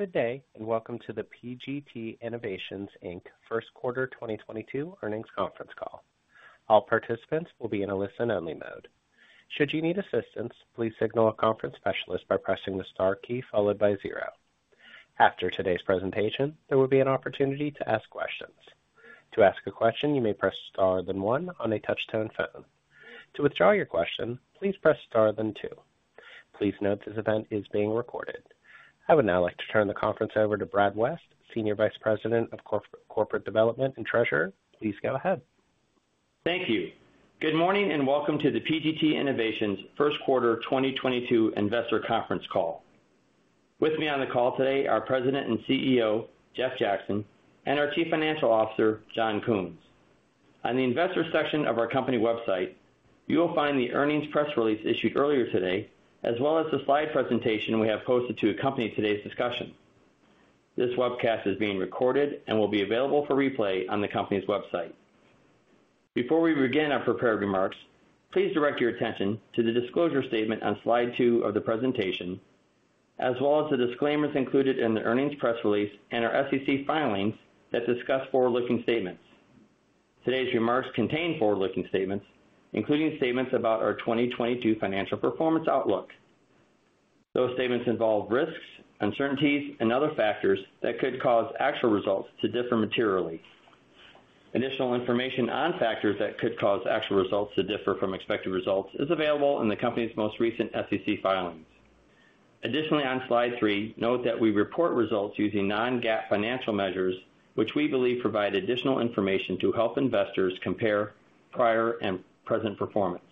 Good day, and welcome to the PGT Innovations, Inc. Q1 2022 earnings conference call. All participants will be in a listen-only mode. Should you need assistance, please signal a conference specialist by pressing the star key followed by zero. After today's presentation, there will be an opportunity to ask questions. To ask a question, you may press star then one on a touch-tone phone. To withdraw your question, please press star then two. Please note this event is being recorded. I would now like to turn the conference over to Brad West, Senior Vice President of Corporate Development and Treasurer. Please go ahead. Thank you. Good morning, and welcome to the PGT Innovations Q1 2022 investor conference call. With me on the call today are President and CEO Jeff Jackson, and our Chief Financial Officer John Kunz. On the investor section of our company website, you will find the earnings press release issued earlier today, as well as the slide presentation we have posted to accompany today's discussion. This webcast is being recorded and will be available for replay on the company's website. Before we begin our prepared remarks, please direct your attention to the disclosure statement on slide 2 of the presentation, as well as the disclaimers included in the earnings press release and our SEC filings that discuss forward-looking statements. Today's remarks contain forward-looking statements, including statements about our 2022 financial performance outlook. Those statements involve risks, uncertainties, and other factors that could cause actual results to differ materially. Additional information on factors that could cause actual results to differ from expected results is available in the company's most recent SEC filings. Additionally, on slide three, note that we report results using non-GAAP financial measures, which we believe provide additional information to help investors compare prior and present performance.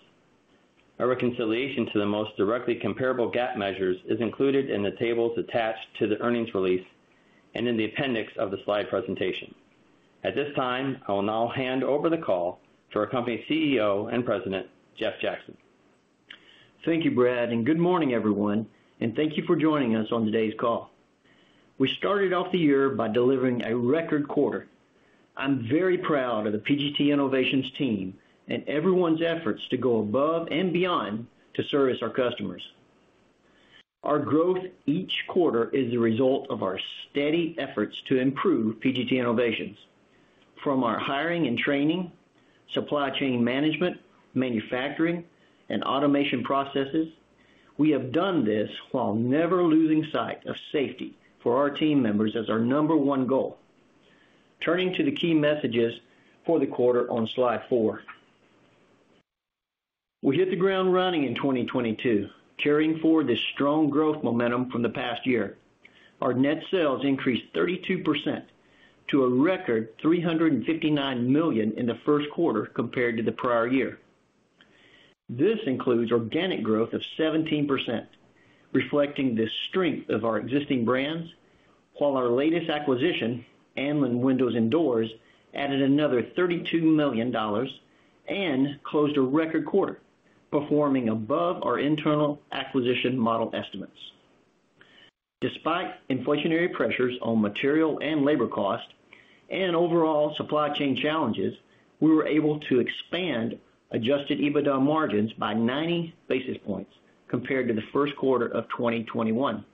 A reconciliation to the most directly comparable GAAP measures is included in the tables attached to the earnings release and in the appendix of the slide presentation. At this time, I will now hand over the call to our company CEO and President, Jeff Jackson. Thank you, Brad, and good morning, everyone, and thank you for joining us on today's call. We started off the year by delivering a record quarter. I'm very proud of the PGT Innovations team and everyone's efforts to go above and beyond to service our customers. Our growth each quarter is the result of our steady efforts to improve PGT Innovations. From our hiring and training, supply chain management, manufacturing, and automation processes, we have done this while never losing sight of safety for our team members as our number one goal. Turning to the key messages for the quarter on slide four. We hit the ground running in 2022, carrying forward this strong growth momentum from the past year. Our net sales increased 32% to a record $359 million in the Q1 compared to the prior year. This includes organic growth of 17%, reflecting the strength of our existing brands, while our latest acquisition, Anlin Windows & Doors, added another $32 million and closed a record quarter, performing above our internal acquisition model estimates. Despite inflationary pressures on material and labor cost and overall supply chain challenges, we were able to expand adjusted EBITDA margins by 90 basis points compared to the Q1 of 2021.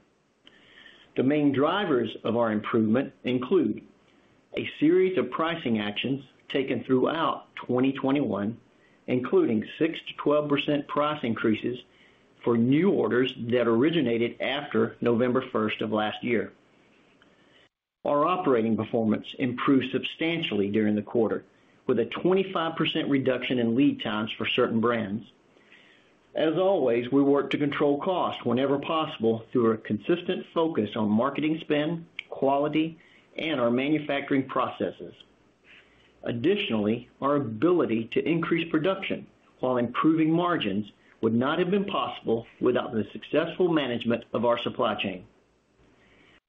The main drivers of our improvement include a series of pricing actions taken throughout 2021, including 6%-12% price increases for new orders that originated after November 1 of last year. Our operating performance improved substantially during the quarter, with a 25% reduction in lead times for certain brands. As always, we work to control costs whenever possible through our consistent focus on marketing spend, quality, and our manufacturing processes. Additionally, our ability to increase production while improving margins would not have been possible without the successful management of our supply chain.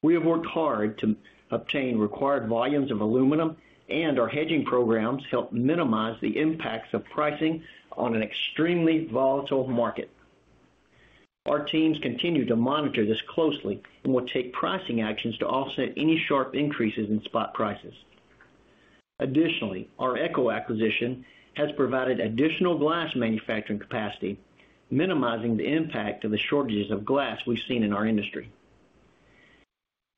We have worked hard to obtain required volumes of aluminum, and our hedging programs help minimize the impacts of pricing on an extremely volatile market. Our teams continue to monitor this closely and will take pricing actions to offset any sharp increases in spot prices. Additionally, our Eco acquisition has provided additional glass manufacturing capacity, minimizing the impact of the shortages of glass we've seen in our industry.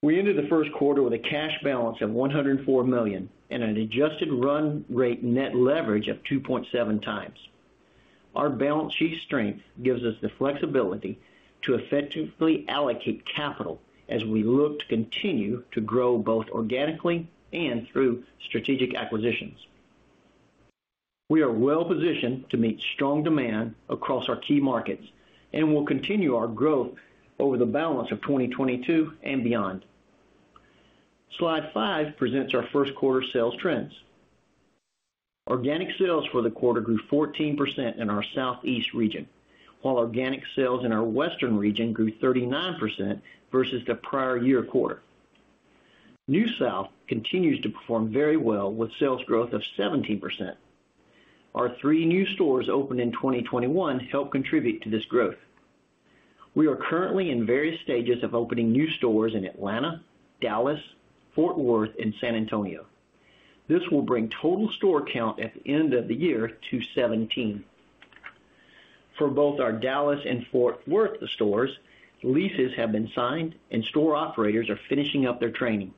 We ended the Q1 with a cash balance of $104 million and an adjusted run rate net leverage of 2.7 times. Our balance sheet strength gives us the flexibility to effectively allocate capital as we look to continue to grow both organically and through strategic acquisitions. We are well-positioned to meet strong demand across our key markets and will continue our growth over the balance of 2022 and beyond. Slide five presents our Q1 sales trends. Organic sales for the quarter grew 14% in our Southeast region, while organic sales in our Western region grew 39% versus the prior year quarter. NewSouth continues to perform very well with sales growth of 17%. Our 3 new stores opened in 2021 help contribute to this growth. We are currently in various stages of opening new stores in Atlanta, Dallas, Fort Worth, and San Antonio. This will bring total store count at the end of the year to 17. For both our Dallas and Fort Worth stores, leases have been signed and store operators are finishing up their training.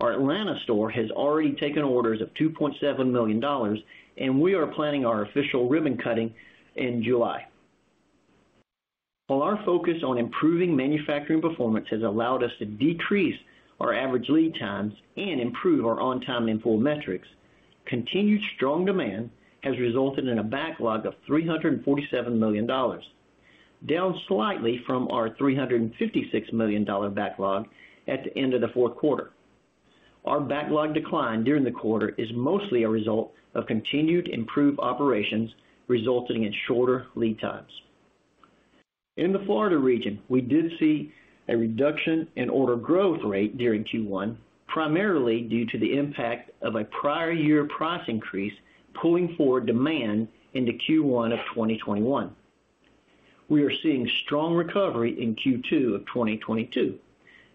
Our Atlanta store has already taken orders of $2.7 million, and we are planning our official ribbon cutting in July. While our focus on improving manufacturing performance has allowed us to decrease our average lead times and improve our on-time in-full metrics, continued strong demand has resulted in a backlog of $347 million, down slightly from our $356 million backlog at the end of the Q4. Our backlog decline during the quarter is mostly a result of continued improved operations resulting in shorter lead times. In the Florida region, we did see a reduction in order growth rate during Q1, primarily due to the impact of a prior year price increase pulling forward demand into Q1 of 2021. We are seeing strong recovery in Q2 of 2022,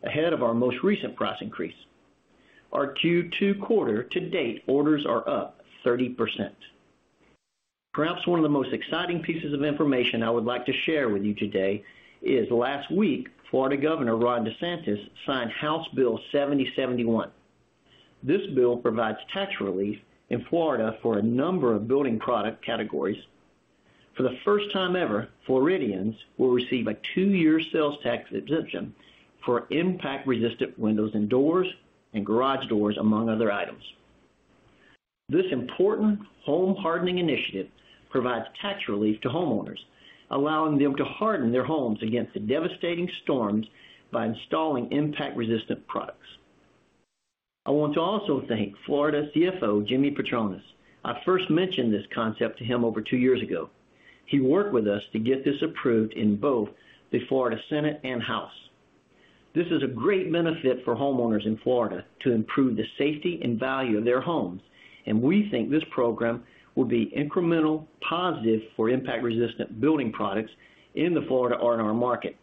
ahead of our most recent price increase. Our Q2 quarter to date orders are up 30%. Perhaps one of the most exciting pieces of information I would like to share with you today is last week, Florida Governor Ron DeSantis signed House Bill 7071. This bill provides tax relief in Florida for a number of building product categories. For the first time ever, Floridians will receive a two-year sales tax exemption for impact-resistant windows and doors and garage doors, among other items. This important home hardening initiative provides tax relief to homeowners, allowing them to harden their homes against the devastating storms by installing impact-resistant products. I want to also thank Florida CFO Jimmy Patronis. I first mentioned this concept to him over two years ago. He worked with us to get this approved in both the Florida Senate and House. This is a great benefit for homeowners in Florida to improve the safety and value of their homes, and we think this program will be incremental positive for impact-resistant building products in the Florida R&R market.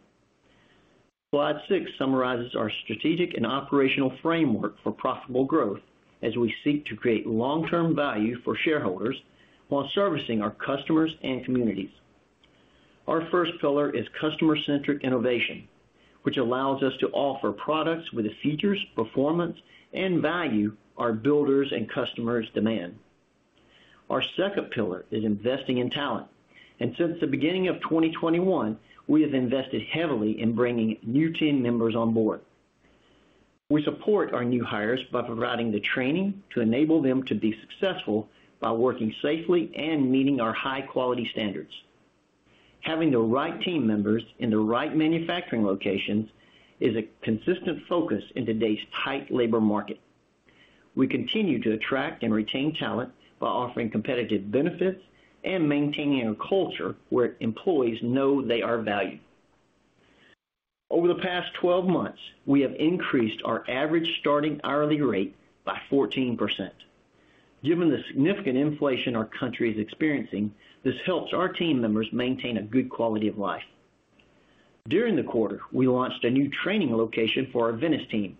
Slide 6 summarizes our strategic and operational framework for profitable growth as we seek to create long-term value for shareholders while servicing our customers and communities. Our first pillar is customer-centric innovation, which allows us to offer products with the features, performance, and value our builders and customers demand. Our second pillar is investing in talent, and since the beginning of 2021, we have invested heavily in bringing new team members on board. We support our new hires by providing the training to enable them to be successful by working safely and meeting our high quality standards. Having the right team members in the right manufacturing locations is a consistent focus in today's tight labor market. We continue to attract and retain talent by offering competitive benefits and maintaining a culture where employees know they are valued. Over the past 12 months, we have increased our average starting hourly rate by 14%. Given the significant inflation our country is experiencing, this helps our team members maintain a good quality of life. During the quarter, we launched a new training location for our Venice team,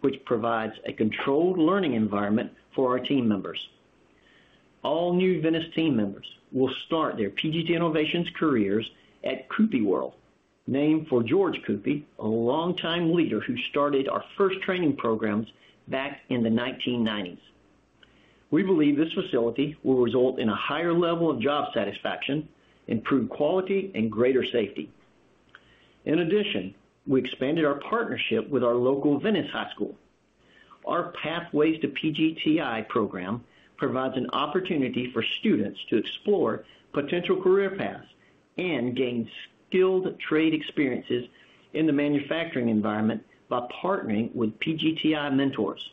which provides a controlled learning environment for our team members. All new Venice team members will start their PGT Innovations careers at Cuppi World, named for George Cuppi, a longtime leader who started our first training programs back in the 1990s. We believe this facility will result in a higher level of job satisfaction, improved quality, and greater safety. In addition, we expanded our partnership with our local Venice High School. Our Pathways to PGTI program provides an opportunity for students to explore potential career paths and gain skilled trade experiences in the manufacturing environment by partnering with PGTI mentors.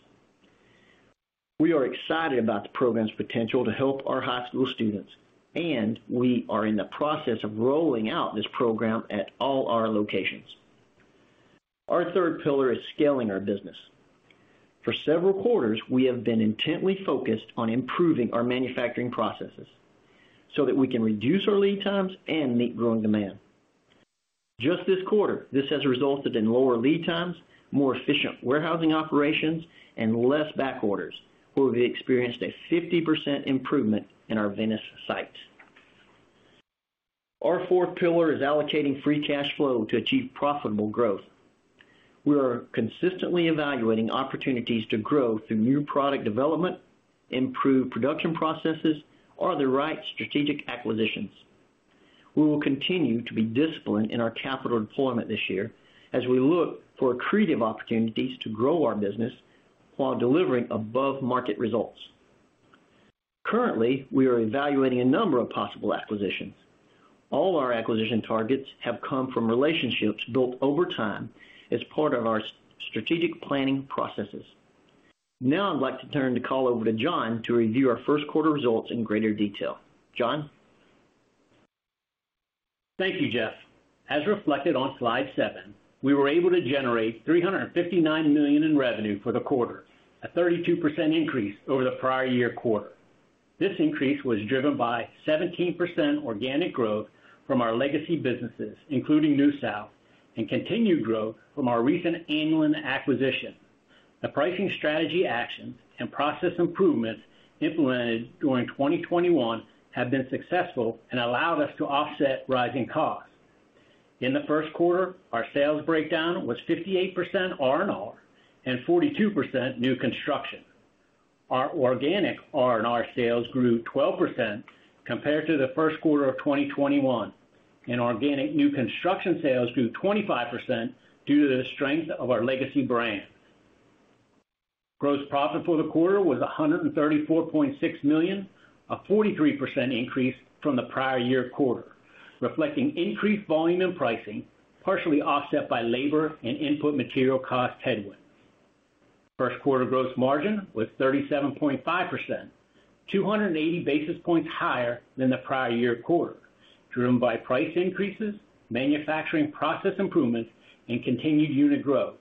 We are excited about the program's potential to help our high school students, and we are in the process of rolling out this program at all our locations. Our third pillar is scaling our business. For several quarters, we have been intently focused on improving our manufacturing processes so that we can reduce our lead times and meet growing demand. Just this quarter, this has resulted in lower lead times, more efficient warehousing operations, and less back orders. We've experienced a 50% improvement in our Venice site. Our fourth pillar is allocating free cash flow to achieve profitable growth. We are consistently evaluating opportunities to grow through new product development, improve production processes or the right strategic acquisitions. We will continue to be disciplined in our capital deployment this year as we look for accretive opportunities to grow our business while delivering above-market results. Currently, we are evaluating a number of possible acquisitions. All our acquisition targets have come from relationships built over time as part of our strategic planning processes. Now I'd like to turn the call over to John to review our Q1 results in greater detail. John? Thank you, Jeff. As reflected on slide 7, we were able to generate $359 million in revenue for the quarter, a 32% increase over the prior year quarter. This increase was driven by 17% organic growth from our legacy businesses, including NewSouth, and continued growth from our recent Anlin acquisition. The pricing strategy actions and process improvements implemented during 2021 have been successful and allowed us to offset rising costs. In the Q1, our sales breakdown was 58% R&R and 42% new construction. Our organic R&R sales grew 12% compared to the Q1 of 2021, and organic new construction sales grew 25% due to the strength of our legacy brand. Gross profit for the quarter was $134.6 million, a 43% increase from the prior year quarter, reflecting increased volume and pricing, partially offset by labor and input material cost headwinds. Q1 gross margin was 37.5%, 200 basis points higher than the prior year quarter, driven by price increases, manufacturing process improvements, and continued unit growth.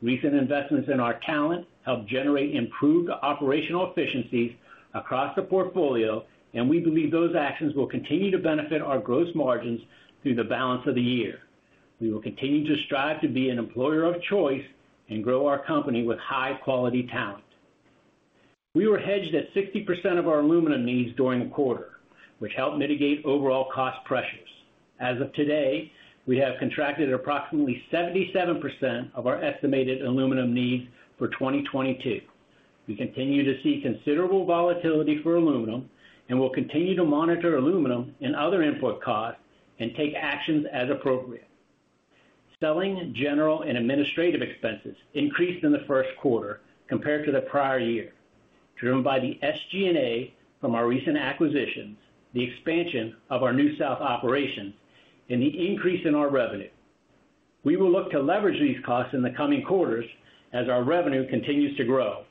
Recent investments in our talent helped generate improved operational efficiencies across the portfolio, and we believe those actions will continue to benefit our gross margins through the balance of the year. We will continue to strive to be an employer of choice and grow our company with high quality talent. We were hedged at 60% of our aluminum needs during the quarter, which helped mitigate overall cost pressures. As of today, we have contracted approximately 77% of our estimated aluminum needs for 2022. We continue to see considerable volatility for aluminum and will continue to monitor aluminum and other input costs and take actions as appropriate. Selling, general, and administrative expenses increased in the Q1 compared to the prior year, driven by the SG&A from our recent acquisitions, the expansion of our new south operations, and the increase in our revenue. We will look to leverage these costs in the coming quarters as our revenue continues to grow.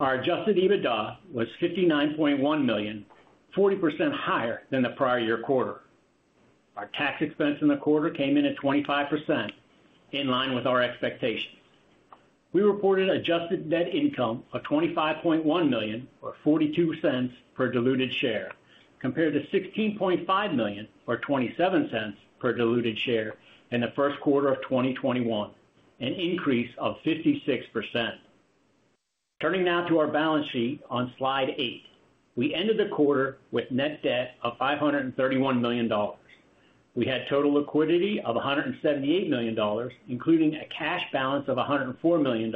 Our adjusted EBITDA was $59.1 million, 40% higher than the prior year quarter. Our tax expense in the quarter came in at 25%, in line with our expectations. We reported adjusted net income of $25.1 million, or $0.42 per diluted share, compared to $16.5 million or $0.27 per diluted share in the Q1 of 2021, an increase of 56%. Turning now to our balance sheet on slide 8. We ended the quarter with net debt of $531 million. We had total liquidity of $178 million, including a cash balance of $104 million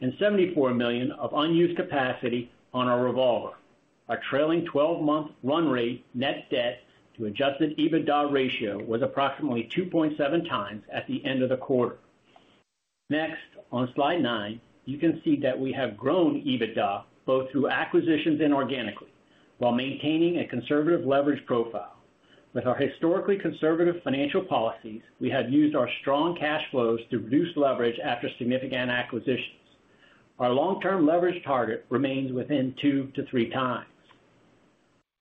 and $74 million of unused capacity on our revolver. Our trailing-twelve-month run rate net debt to adjusted EBITDA ratio was approximately 2.7x at the end of the quarter. Next, on slide 9, you can see that we have grown EBITDA both through acquisitions and organically while maintaining a conservative leverage profile. With our historically conservative financial policies, we have used our strong cash flows to reduce leverage after significant acquisitions. Our long-term leverage target remains within 2-3 times.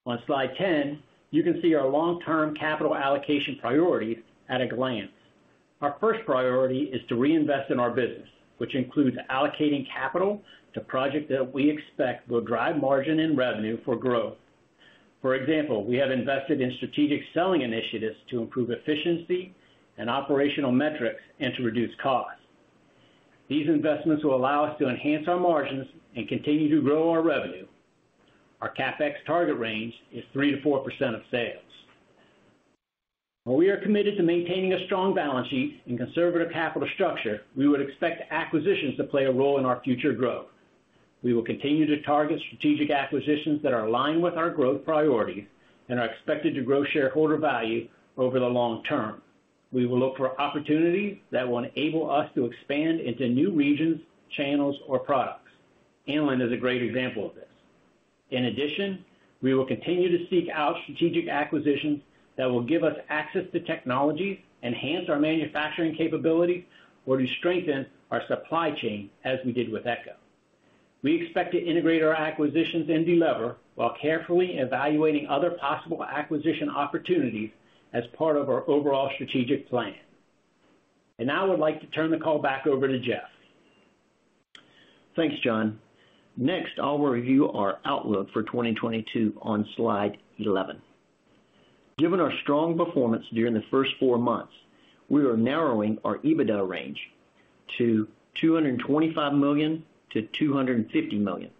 On slide 10, you can see our long-term capital allocation priorities at a glance. Our first priority is to reinvest in our business, which includes allocating capital to project that we expect will drive margin and revenue for growth. For example, we have invested in strategic selling initiatives to improve efficiency and operational metrics and to reduce costs. These investments will allow us to enhance our margins and continue to grow our revenue. Our CapEx target range is 3%-4% of sales. While we are committed to maintaining a strong balance sheet and conservative capital structure, we would expect acquisitions to play a role in our future growth. We will continue to target strategic acquisitions that are aligned with our growth priorities and are expected to grow shareholder value over the long term. We will look for opportunities that will enable us to expand into new regions, channels or products. Anlin is a great example of this. In addition, we will continue to seek out strategic acquisitions that will give us access to technologies, enhance our manufacturing capabilities, or to strengthen our supply chain, as we did with Eco. We expect to integrate our acquisitions and delever while carefully evaluating other possible acquisition opportunities as part of our overall strategic plan. Now I would like to turn the call back over to Jeff. Thanks, John. Next, I'll review our outlook for 2022 on slide 11. Given our strong performance during the first 4 months, we are narrowing our EBITDA range to $225 million-$250 million.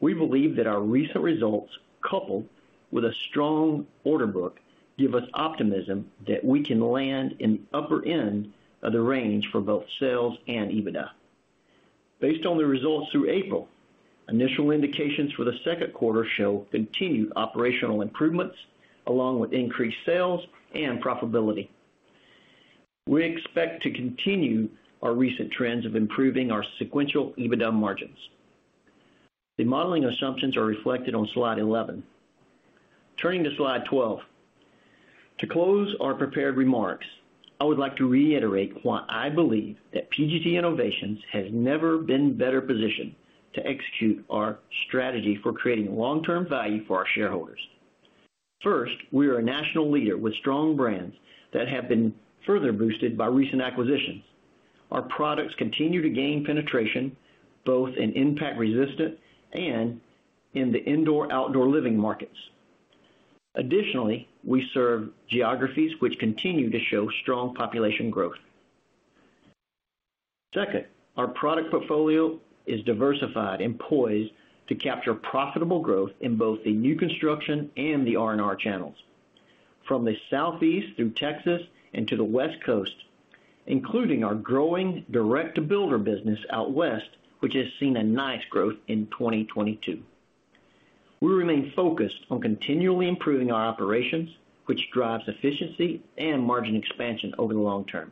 We believe that our recent results, coupled with a strong order book, give us optimism that we can land in the upper end of the range for both sales and EBITDA. Based on the results through April, initial indications for the Q2 show continued operational improvements along with increased sales and profitability. We expect to continue our recent trends of improving our sequential EBITDA margins. The modeling assumptions are reflected on slide 11. Turning to slide 12. To close our prepared remarks, I would like to reiterate why I believe that PGT Innovations has never been better positioned to execute our strategy for creating long-term value for our shareholders. First, we are a national leader with strong brands that have been further boosted by recent acquisitions. Our products continue to gain penetration both in impact resistant and in the indoor/outdoor living markets. Additionally, we serve geographies which continue to show strong population growth. Second, our product portfolio is diversified and poised to capture profitable growth in both the new construction and the R&R channels. From the Southeast through Texas into the West Coast, including our growing direct-to-builder business out west, which has seen a nice growth in 2022. We remain focused on continually improving our operations, which drives efficiency and margin expansion over the long term.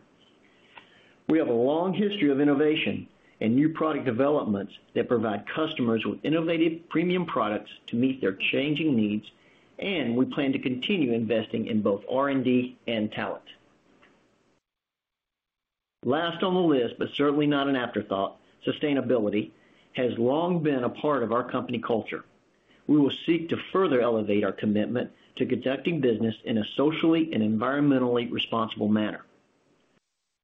We have a long history of innovation and new product developments that provide customers with innovative premium products to meet their changing needs, and we plan to continue investing in both R&D and talent. Last on the list, but certainly not an afterthought, sustainability has long been a part of our company culture. We will seek to further elevate our commitment to conducting business in a socially and environmentally responsible manner.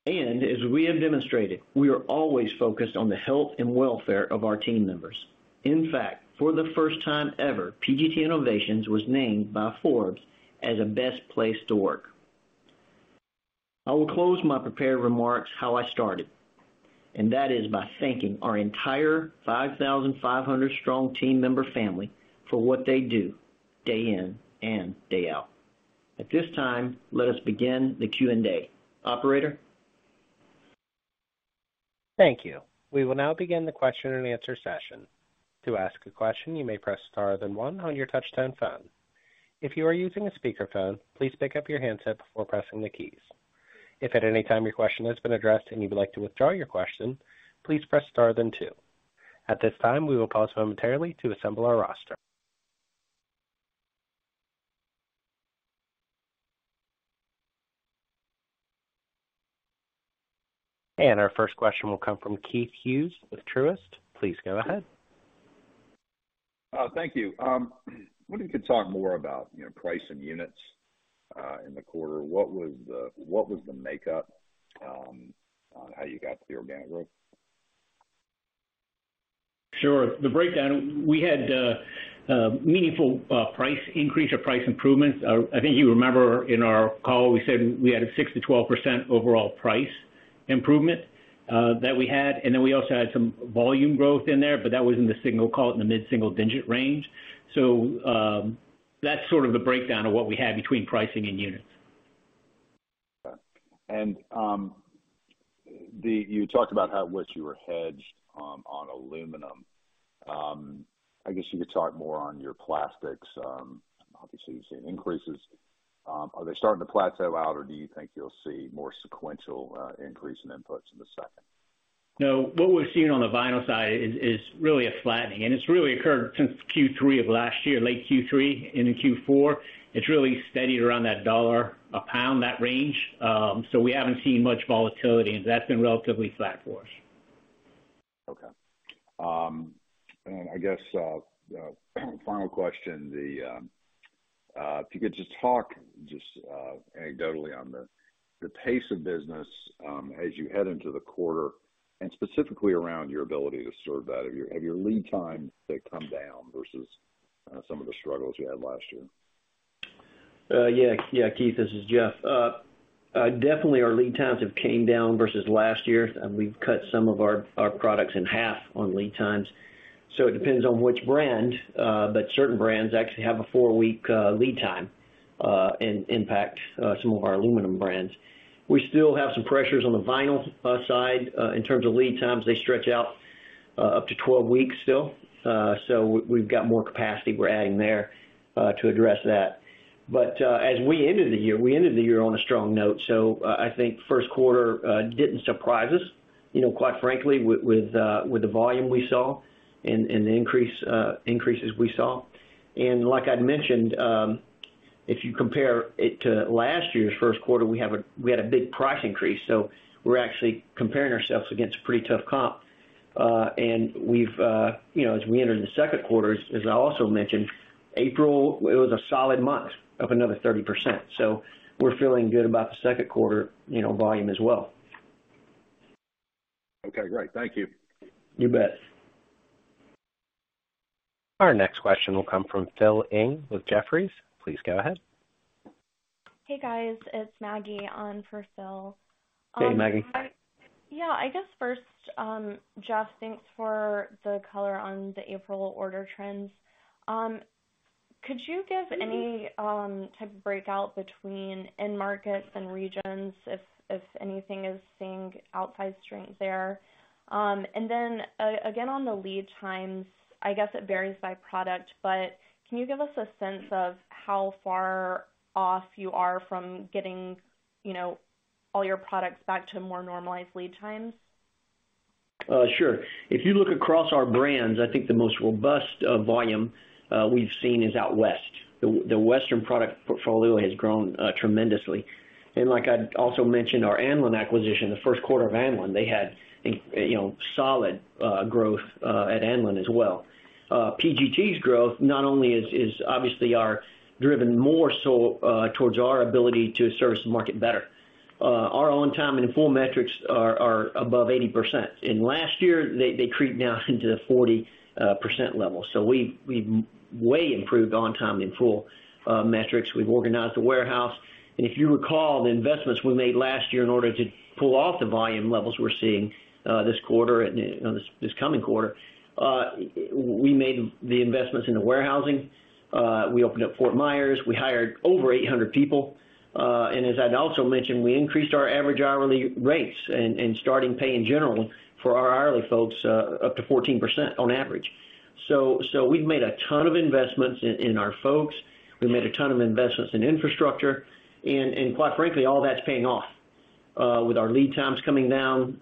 As we have demonstrated, we are always focused on the health and welfare of our team members. In fact, for the first time ever, PGT Innovations was named by Forbes as a Best Place to Work. I will close my prepared remarks how I started, and that is by thanking our entire 5,500-strong team member family for what they do day in and day out. At this time, let us begin the Q&A. Operator? Thank you. We will now begin the question and answer session. To ask a question, you may press star then one on your touch-tone phone. If you are using a speakerphone, please pick up your handset before pressing the keys. If at any time your question has been addressed and you would like to withdraw your question, please press star then two. At this time, we will pause momentarily to assemble our roster. Our first question will come from Keith Hughes with Truist. Please go ahead. Thank you. Wondering if you could talk more about, you know, price and units in the quarter. What was the makeup on how you got to the organic growth? Sure. The breakdown, we had a meaningful price increase or price improvements. I think you remember in our call, we said we had a 6%-12% overall price improvement that we had, and then we also had some volume growth in there, but that was call it in the mid-single-digit range. That's sort of the breakdown of what we had between pricing and units. You talked about how you were hedged on aluminum. I guess you could talk more on your plastics. Obviously, you've seen increases. Are they starting to plateau out, or do you think you'll see more sequential increase in inputs in the second? No. What we've seen on the vinyl side is really a flattening, and it's really occurred since Q3 of last year, late Q3 into Q4. It's really steadied around that $1 a pound, that range. We haven't seen much volatility, and that's been relatively flat for us. Okay. I guess final question, if you could just talk anecdotally on the pace of business as you head into the quarter and specifically around your ability to serve that. Have your lead times come down versus some of the struggles you had last year? Yeah, Keith, this is Jeff. Definitely our lead times have came down versus last year, and we've cut some of our products in half on lead times. It depends on which brand, but certain brands actually have a 4-week lead time, impact, some of our aluminum brands. We still have some pressures on the vinyl side. In terms of lead times, they stretch out up to 12 weeks still. We've got more capacity we're adding there to address that. As we ended the year, we ended the year on a strong note. I think Q1 didn't surprise us, you know, quite frankly, with the volume we saw and the increases we saw. Like I'd mentioned, if you compare it to last year's Q1, we had a big price increase, so we're actually comparing ourselves against a pretty tough comp. We've, you know, as we entered the Q2, as I also mentioned, April, it was a solid month of another 30%, so we're feeling good about the Q2, you know, volume as well. Okay, great. Thank you. You bet. Our next question will come from Philip Ng with Jefferies. Please go ahead. Hey, guys. It's Maggie on for Phil. Hey, Maggie. Yeah. I guess first, Jeff, thanks for the color on the April order trends. Could you give any type of breakout between end markets and regions if anything is seeing outsized strength there? Then, on the lead times, I guess it varies by product, but can you give us a sense of how far off you are from getting, you know, all your products back to more normalized lead times? Sure. If you look across our brands, I think the most robust volume we've seen is out west. The Western product portfolio has grown tremendously. Like I'd also mentioned our Anlin acquisition, the Q1 of Anlin, they had a you know solid growth at Anlin as well. PGT's growth not only is obviously driven more so towards our ability to service the market better. Our on time and in full metrics are above 80%. Last year, they crept down into the 40% level. We've way improved on time in full metrics. We've organized the warehouse. If you recall, the investments we made last year in order to pull off the volume levels we're seeing, this quarter and, you know, this coming quarter, we made the investments in the warehousing. We opened up Fort Myers, we hired over 800 people. As I'd also mentioned, we increased our average hourly rates and starting pay in general for our hourly folks, up to 14% on average. We've made a ton of investments in our folks. We made a ton of investments in infrastructure. Quite frankly, all that's paying off, with our lead times coming down.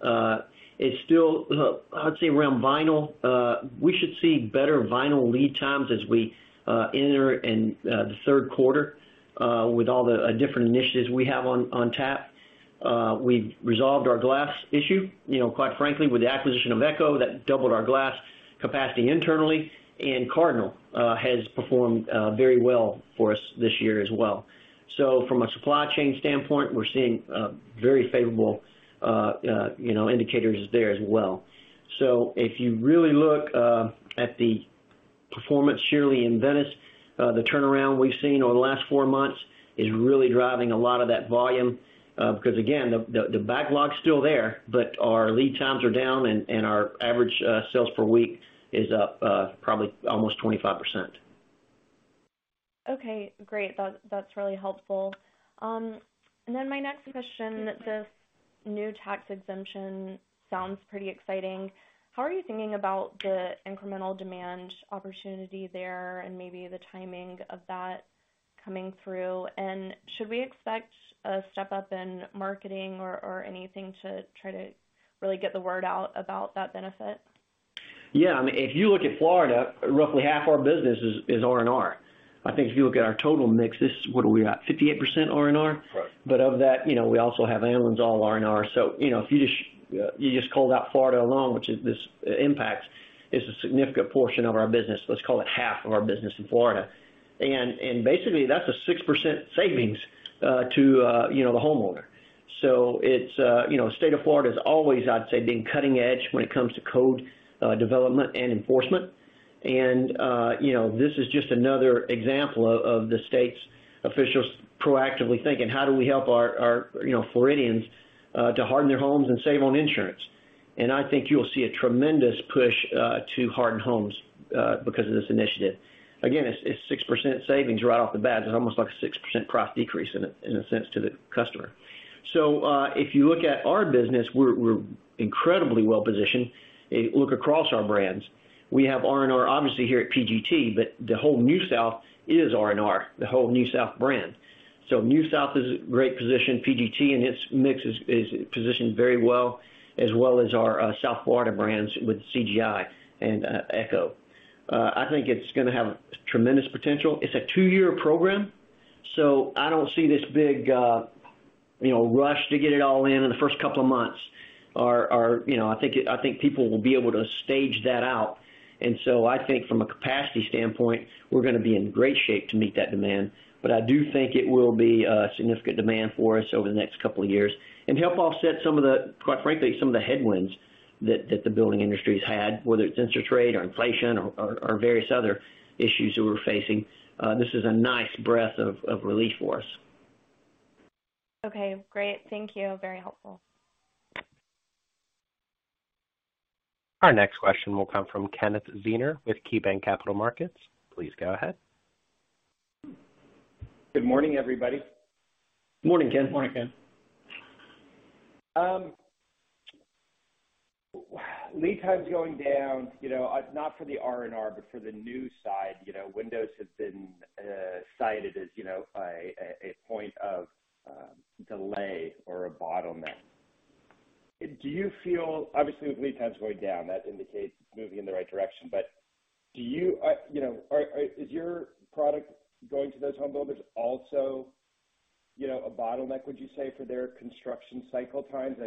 It's still, look, I would say around vinyl. We should see better vinyl lead times as we enter in the Q3 with all the different initiatives we have on tap. We've resolved our glass issue, you know, quite frankly, with the acquisition of Eco that doubled our glass capacity internally. Cardinal has performed very well for us this year as well. From a supply chain standpoint, we're seeing very favorable, you know, indicators there as well. If you really look at the performance sheerly in Venice, the turnaround we've seen over the last four months is really driving a lot of that volume. Because again, the backlog's still there, but our lead times are down and our average sales per week is up probably almost 25%. Okay, great. That's really helpful. My next question, this new tax exemption sounds pretty exciting. How are you thinking about the incremental demand opportunity there and maybe the timing of that coming through? Should we expect a step up in marketing or anything to try to really get the word out about that benefit? Yeah. I mean, if you look at Florida, roughly half our business is R&R. I think if you look at our total mix, this, what are we at? 58% R&R. Right. Of that, you know, we also have Anlin's, all R&R. You know, if you just called out Florida alone, which is this impact's, is a significant portion of our business, let's call it half of our business in Florida. And basically that's a 6% savings to the homeowner. It's State of Florida has always, I'd say, been cutting edge when it comes to code development and enforcement. You know, this is just another example of the state's officials proactively thinking, "How do we help our Floridians to harden their homes and save on insurance?" I think you'll see a tremendous push to harden homes because of this initiative. Again, it's 6% savings right off the bat. It's almost like a 6% price decrease in a sense to the customer. If you look at our business, we're incredibly well positioned. If you look across our brands, we have R&R obviously here at PGT, but the whole NewSouth is R&R, the whole NewSouth brand. NewSouth is great position. PGT and its mix is positioned very well, as well as our South Florida brands with CGI and Eco. I think it's gonna have tremendous potential. It's a two-year program, so I don't see this big, you know, rush to get it all in in the first couple of months. You know, I think people will be able to stage that out. I think from a capacity standpoint, we're gonna be in great shape to meet that demand. I do think it will be a significant demand for us over the next couple of years and help offset some of the, quite frankly, some of the headwinds that the building industry has had, whether it's interest rate or inflation or various other issues that we're facing. This is a nice breath of relief for us. Okay, great. Thank you. Very helpful. Our next question will come from Kenneth Zener with KeyBanc Capital Markets. Please go ahead. Good morning, everybody. Morning, Ken. Morning, Ken. Lead times going down, you know, not for the R&R, but for the new side. You know, windows have been cited as, you know, a point of delay or a bottleneck. Do you feel. Obviously, with lead times going down, that indicates moving in the right direction. Do you know, is your product going to those homebuilders also, you know, a bottleneck, would you say, for their construction cycle times?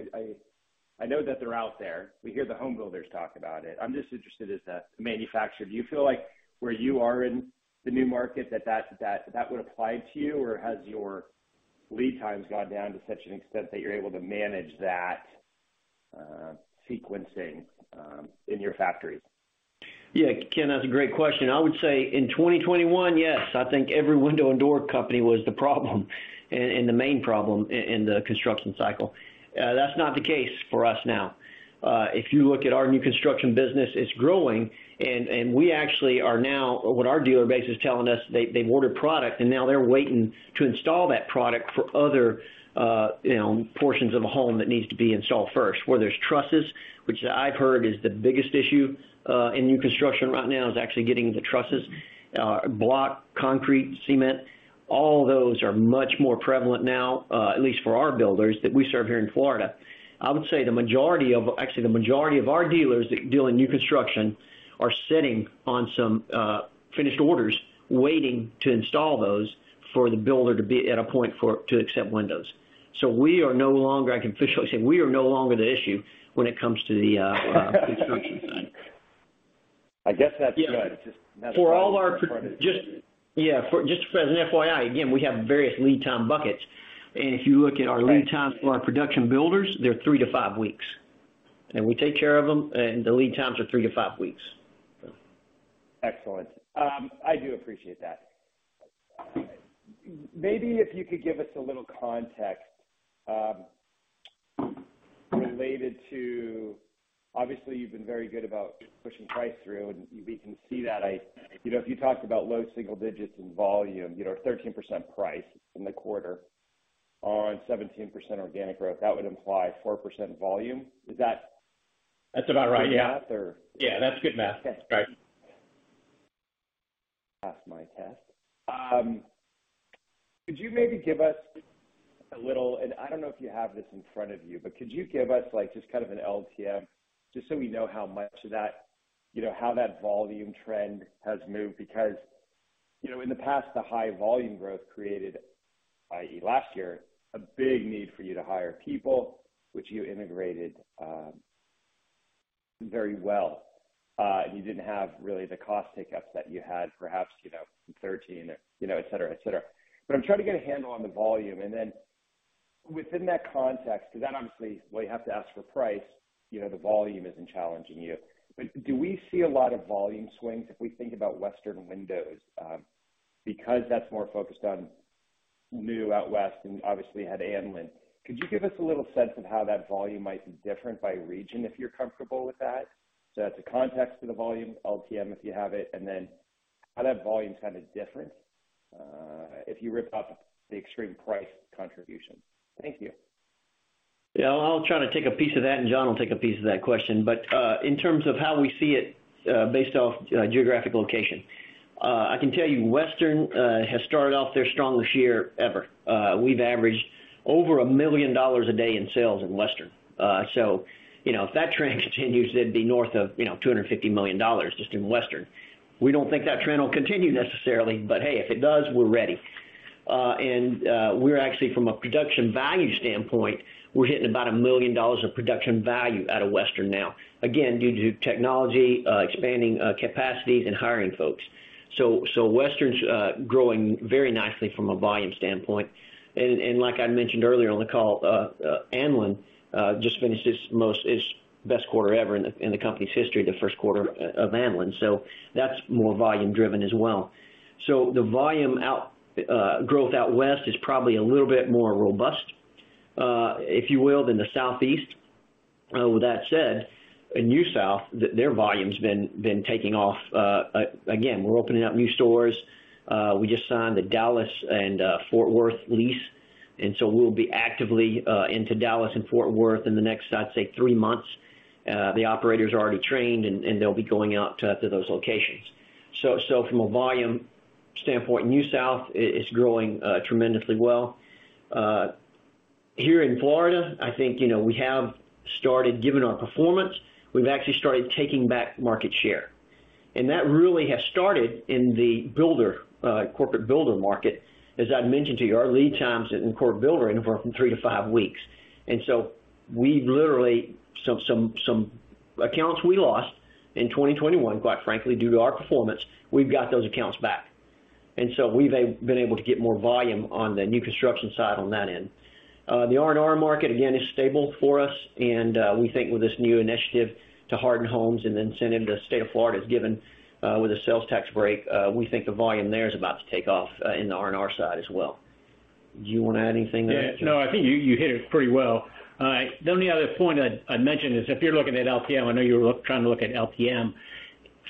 I know that they're out there. We hear the homebuilders talk about it. I'm just interested as a manufacturer. Do you feel like where you are in the new market that would apply to you? Or has your lead times gone down to such an extent that you're able to manage that sequencing in your factories? Yeah. Ken, that's a great question. I would say in 2021, yes, I think every window and door company was the problem and the main problem in the construction cycle. That's not the case for us now. If you look at our new construction business, it's growing and we actually are now. What our dealer base is telling us, they've ordered product and now they're waiting to install that product for other portions of a home that needs to be installed first. Whether it's trusses, which I've heard is the biggest issue in new construction right now, is actually getting the trusses. Block, concrete, cement, all those are much more prevalent now, at least for our builders that we serve here in Florida. I would say actually the majority of our dealers that deal in new construction are sitting on some finished orders waiting to install those for the builder to be at a point for to accept windows. So we are no longer. I can officially say we are no longer the issue when it comes to the construction side. I guess that's good. Just as an FYI, again, we have various lead time buckets. If you look at our lead times for our production builders, they're 3-5 weeks. We take care of them, and the lead times are three-five weeks. Excellent. I do appreciate that. Maybe if you could give us a little context related to. Obviously, you've been very good about pushing price through, and we can see that. You know, if you talked about low single digits in volume, you know, 13% price in the quarter on 17% organic growth, that would imply 4% volume. Is that? That's about right, yeah. Good math or? Yeah, that's good math. Okay. Right. Passed my test. I don't know if you have this in front of you, but could you give us, like, just kind of an LTM, just so we know how much of that, you know, how that volume trend has moved? Because, you know, in the past, the high volume growth created, i.e., last year, a big need for you to hire people, which you integrated very well. You didn't have really the cost take-ups that you had perhaps, you know, in 2013 or, you know, et cetera. I'm trying to get a handle on the volume. Within that context, because then obviously while you have to ask for price, you know, the volume isn't challenging you. Do we see a lot of volume swings if we think about Western Window Systems, because that's more focused on new out West and obviously had Anlin. Could you give us a little sense of how that volume might be different by region, if you're comfortable with that? That's a context to the volume, LTM, if you have it, and then how that volume is kind of different, if you strip out the extreme price contribution. Thank you. Yeah. I'll try to take a piece of that, and John will take a piece of that question. In terms of how we see it, based off geographic location. I can tell you Western has started off their strongest year ever. We've averaged over $1 million a day in sales in Western. So, you know, if that trend continues, it'd be north of $250 million just in Western. We don't think that trend will continue necessarily, but hey, if it does, we're ready. We're actually from a production value standpoint, we're hitting about $1 million of production value out of Western now, again, due to technology, expanding, capacities and hiring folks. So Western's growing very nicely from a volume standpoint. Like I mentioned earlier on the call, Anlin just finished its best quarter ever in the company's history, the Q1 of Anlin. That's more volume-driven as well. The volume growth out West is probably a little bit more robust, if you will, than the Southeast. With that said, in NewSouth, their volume has been taking off. Again, we're opening up new stores. We just signed the Dallas and Fort Worth lease, and so we'll be actively into Dallas and Fort Worth in the next, I'd say, three months. The operators are already trained and they'll be going out to those locations. From a volume standpoint, NewSouth is growing tremendously well. Here in Florida, I think, you know, we have started, given our performance, we've actually started taking back market share. That really has started in the builder, corporate builder market. As I mentioned to you, our lead times in core builder anywhere from 3-5 weeks. We've literally some accounts we lost in 2021, quite frankly, due to our performance, we've got those accounts back. We've been able to get more volume on the new construction side on that end. The R&R market, again, is stable for us. We think with this new initiative to harden homes and the incentive the State of Florida has given, with a sales tax break, we think the volume there is about to take off, in the R&R side as well. Do you want to add anything to that, John? No, I think you hit it pretty well. The only other point I'd mention is if you're looking at LTM, I know you're trying to look at LTM.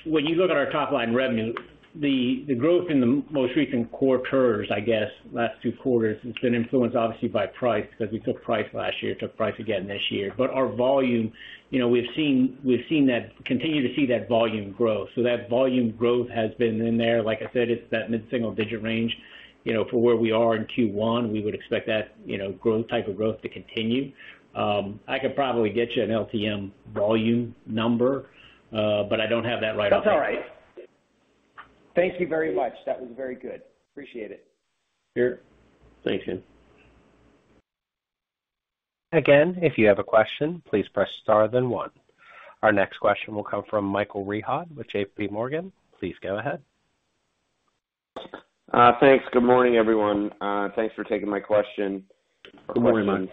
When you look at our top line revenue, the growth in the most recent quarters, I guess, last Q2, it's been influenced obviously by price because we took price last year, took price again this year. Our volume, you know, we've seen that continue to see that volume grow. That volume growth has been in there. Like I said, it's that mid-single-digit range, you know, for where we are in Q1. We would expect that, you know, type of growth to continue. I could probably get you an LTM volume number, but I don't have that right off the That's all right. Thank you very much. That was very good. Appreciate it. Sure. Thanks, Ken. Again, if you have a question, please press star then one. Our next question will come from Michael Rehaut with J.P. Morgan. Please go ahead. Thanks. Good morning, everyone. Thanks for taking my question. Good morning.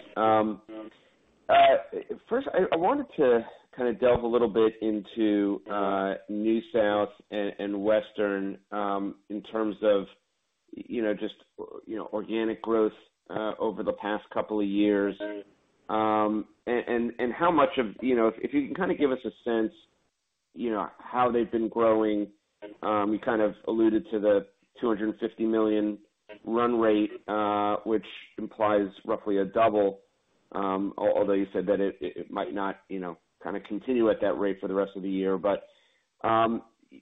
First, I wanted to kind of delve a little bit into NewSouth and Western in terms of, you know, just, you know, organic growth over the past couple of years. How much of, you know, if you can kind of give us a sense, you know, how they've been growing. You kind of alluded to the $250 million run rate, which implies roughly a double, although you said that it might not, you know, kinda continue at that rate for the rest of the year.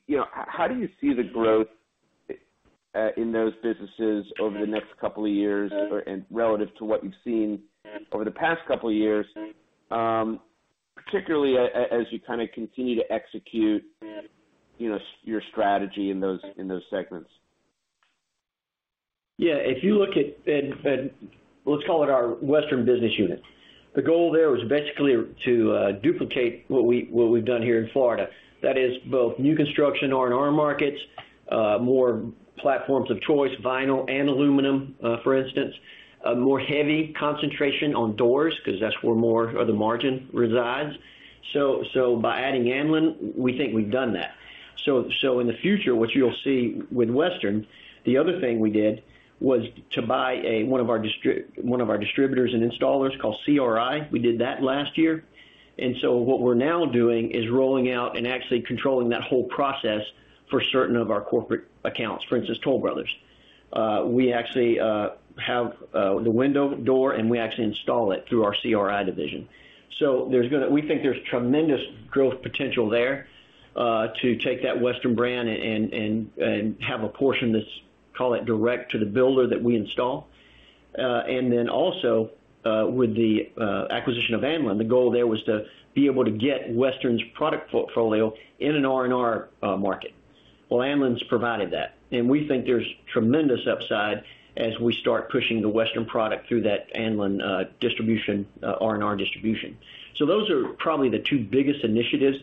You know, how do you see the growth in those businesses over the next couple of years and relative to what you've seen over the past couple of years, particularly as you kinda continue to execute, you know, your strategy in those segments? If you look at, let's call it our Western business unit, the goal there was basically to duplicate what we've done here in Florida. That is both new construction R&R markets, more platforms of choice, vinyl and aluminum, for instance. A more heavy concentration on doors 'cause that's where more of the margin resides. By adding Anlin, we think we've done that. In the future, what you'll see with Western, the other thing we did was to buy one of our distributors and installers called CRi. We did that last year. What we're now doing is rolling out and actually controlling that whole process for certain of our corporate accounts, for instance, Toll Brothers. We actually have the window door, and we actually install it through our CRi division. We think there's tremendous growth potential there to take that Western brand and have a portion that's call it direct to the builder that we install. With the acquisition of Anlin, the goal there was to be able to get Western's product portfolio in an R&R market. Well, Anlin's provided that, and we think there's tremendous upside as we start pushing the Western product through that Anlin distribution, R&R distribution. Those are probably the two biggest initiatives,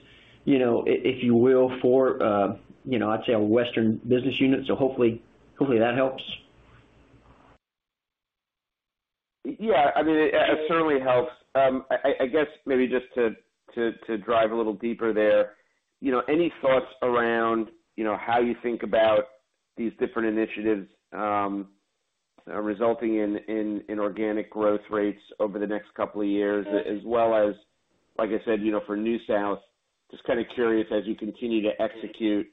you know, if you will, for you know, I'd say our Western business unit, so hopefully that helps. Yeah, I mean, it certainly helps. I guess maybe just to drive a little deeper there, you know, any thoughts around, you know, how you think about these different initiatives, resulting in organic growth rates over the next couple of years? As well as, like I said, you know, for NewSouth, just kinda curious as you continue to execute,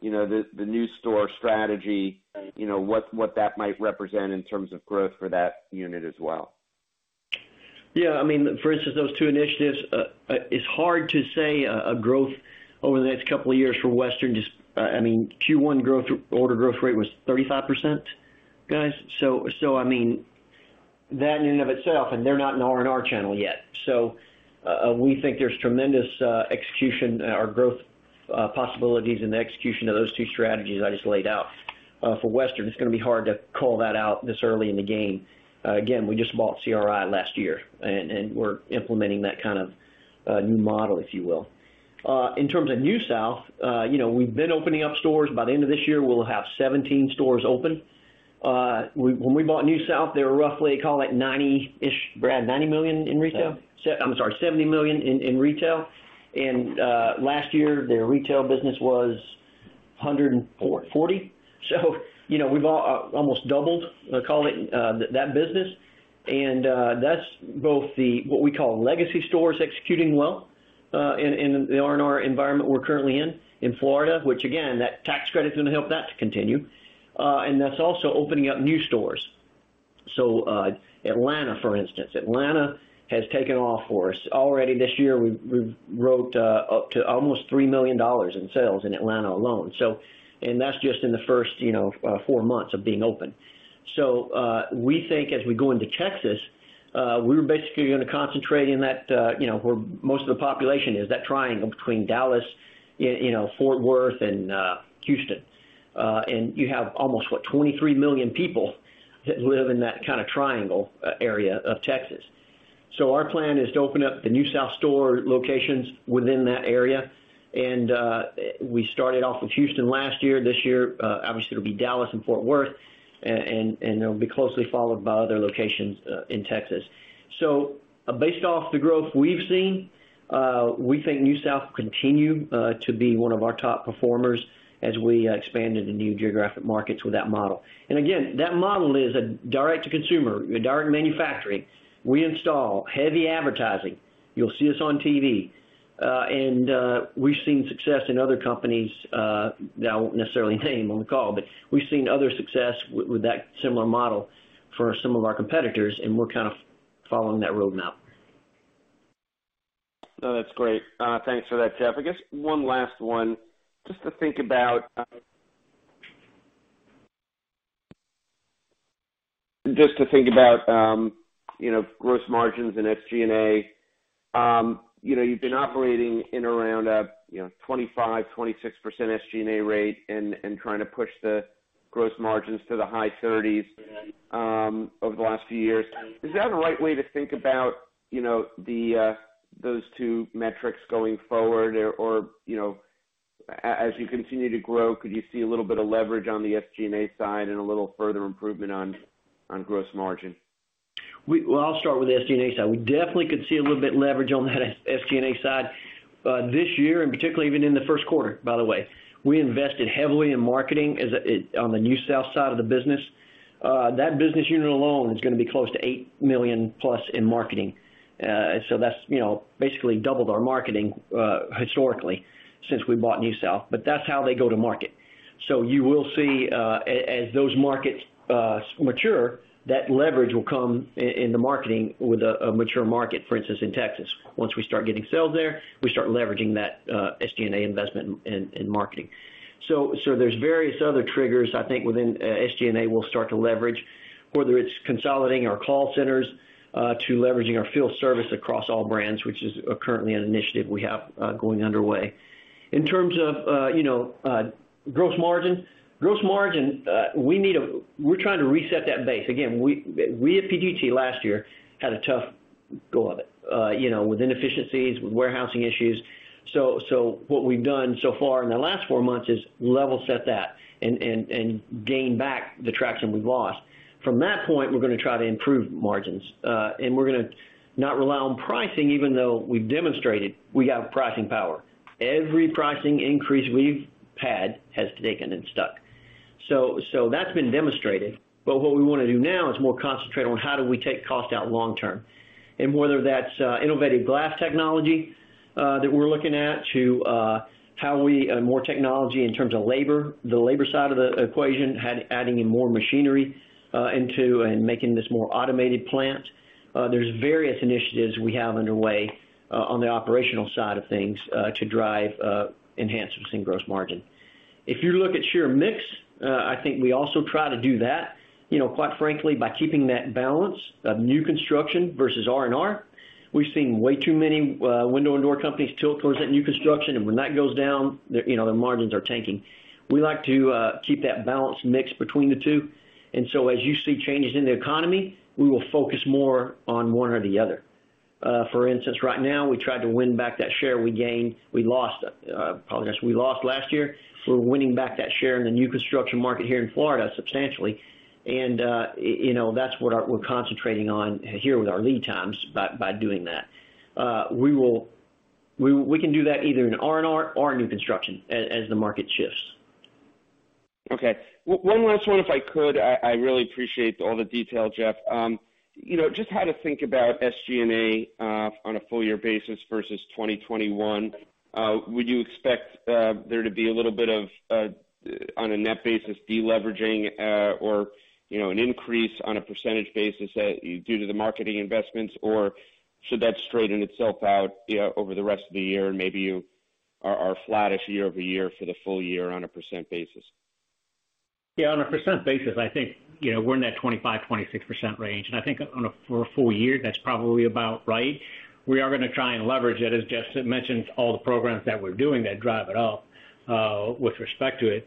you know, the new store strategy, you know, what that might represent in terms of growth for that unit as well. Yeah, I mean, for instance, those two initiatives, it's hard to say growth over the next couple of years for Western. Just, I mean, Q1 growth, order growth rate was 35%, guys. So, I mean, that in and of itself, and they're not an R&R channel yet. So, we think there's tremendous execution or growth possibilities in the execution of those two strategies I just laid out. For Western, it's gonna be hard to call that out this early in the game. Again, we just bought CRi last year and we're implementing that kind of new model, if you will. In terms of NewSouth, you know, we've been opening up stores. By the end of this year, we'll have 17 stores open. We... When we bought NewSouth, they were roughly, call it 90-ish, Brad, $90 million in retail? Seven. I'm sorry, $70 million in retail. Last year, their retail business was $140. You know, we've almost doubled, call it, that business. That's both what we call legacy stores executing well in the R&R environment we're currently in Florida, which again, that tax credit is gonna help that to continue. That's also opening up new stores. Atlanta, for instance. Atlanta has taken off for us. Already this year, we've written up to almost $3 million in sales in Atlanta alone. That's just in the first, you know, 4 months of being open. We think as we go into Texas, we're basically gonna concentrate in that, you know, where most of the population is, that triangle between Dallas, Fort Worth, and Houston. You have almost 23 million people that live in that kind of triangle area of Texas. Our plan is to open up the New South store locations within that area. We started off with Houston last year. This year, obviously it'll be Dallas and Fort Worth, and they'll be closely followed by other locations in Texas. Based off the growth we've seen, we think New South will continue to be one of our top performers as we expand into new geographic markets with that model. Again, that model is a direct to consumer, direct manufacturing. We install, heavy advertising. You'll see us on TV. We've seen success in other companies that I won't necessarily name on the call, but we've seen other success with that similar model for some of our competitors, and we're kind of following that roadmap. No, that's great. Thanks for that, Jeff. I guess one last one, just to think about, you know, gross margins and SG&A. You know, you've been operating in around, you know, 25-26% SG&A rate and trying to push the gross margins to the high 30s over the last few years. Is that a right way to think about, you know, the those two metrics going forward or, you know, as you continue to grow, could you see a little bit of leverage on the SG&A side and a little further improvement on gross margin? Well, I'll start with the SG&A side. We definitely could see a little bit leverage on that SG&A side this year, and particularly even in the Q1, by the way. We invested heavily in marketing as on the New South side of the business. That business unit alone is gonna be close to $8 million plus in marketing. So that's, you know, basically doubled our marketing historically since we bought New South, but that's how they go to market. You will see as those markets mature, that leverage will come in the marketing with a mature market, for instance, in Texas. Once we start getting sales there, we start leveraging that SG&A investment in marketing. There's various other triggers I think within SG&A we'll start to leverage, whether it's consolidating our call centers to leveraging our field service across all brands, which is currently an initiative we have going underway. In terms of you know gross margin. Gross margin, we're trying to reset that base. Again, we at PGT last year had a tough go of it you know with inefficiencies, with warehousing issues. What we've done so far in the last four months is level set that and gain back the traction we've lost. From that point, we're gonna try to improve margins, and we're gonna not rely on pricing even though we've demonstrated we have pricing power. Every pricing increase we've had has taken and stuck. That's been demonstrated. What we wanna do now is more concentrate on how do we take cost out long term. Whether that's innovative glass technology that we're looking at, to how we more technology in terms of labor, the labor side of the equation, adding in more machinery into and making this more automated plant. There's various initiatives we have underway on the operational side of things to drive enhancements in gross margin. If you look at sales mix, I think we also try to do that, you know, quite frankly, by keeping that balance of new construction versus R&R. We've seen way too many window and door companies tilt towards that new construction, and when that goes down, their, you know, their margins are tanking. We like to keep that balanced mix between the two. As you see changes in the economy, we will focus more on one or the other. For instance, right now we lost last year. Apologize, we're winning back that share in the new construction market here in Florida substantially. You know, that's what we're concentrating on here with our lead times by doing that. We will. We can do that either in R&R or new construction as the market shifts. Okay. One last one, if I could. I really appreciate all the detail, Jeff. You know, just how to think about SG&A on a full year basis versus 2021. Would you expect there to be a little bit of on a net basis, deleveraging or you know, an increase on a % basis due to the marketing investments? Or should that straighten itself out you know, over the rest of the year, and maybe you are flattish year over year for the full year on a % basis? Yeah, on a percent basis, I think, you know, we're in that 25%-26% range. I think for a full year, that's probably about right. We are gonna try and leverage it. As Jeff mentioned, all the programs that we're doing that drive it up with respect to it.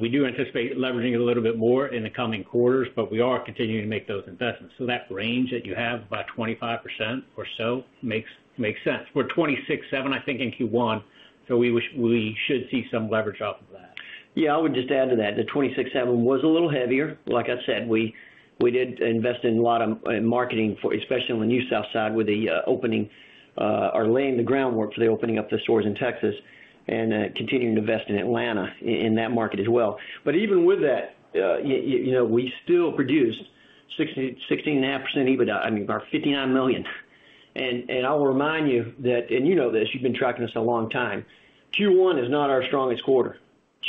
We do anticipate leveraging it a little bit more in the coming quarters, but we are continuing to make those investments. That range that you have, about 25% or so, makes sense. We're 26.7% I think in Q1, so we should see some leverage off of that. Yeah, I would just add to that. The twenty seventeen was a little heavier. Like I said, we did invest in a lot of marketing for, especially on the NewSouth side with the opening or laying the groundwork for the opening up the stores in Texas and continuing to invest in Atlanta in that market as well. But even with that, you know, we still produced 16.5% EBITDA, I mean, our $59 million. I'll remind you that, and you know this, you've been tracking us a long time, Q1 is not our strongest quarter.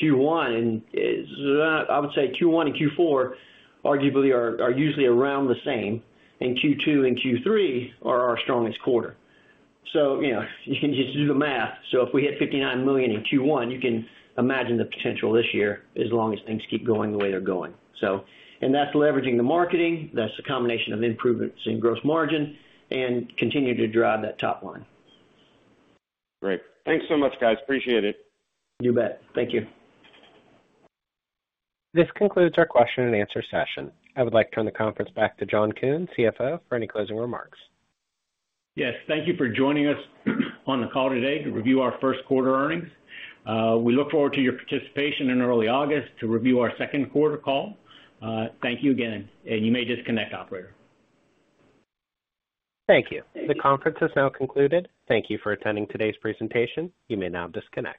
Q1 is not. I would say Q1 and Q4 arguably are usually around the same, and Q2 and Q3 are our strongest quarter. You know, you can just do the math. If we hit $59 million in Q1, you can imagine the potential this year as long as things keep going the way they're going. That's leveraging the marketing, that's the combination of improvements in gross margin and continuing to drive that top line. Great. Thanks so much, guys. Appreciate it. You bet. Thank you. This concludes our question and answer session. I would like to turn the conference back to John Kunz, CFO, for any closing remarks. Yes. Thank you for joining us on the call today to review our Q1 earnings. We look forward to your participation in early August to review our Q2 call. Thank you again. You may disconnect, operator. Thank you. The conference is now concluded. Thank you for attending today's presentation. You may now disconnect.